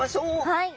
はい。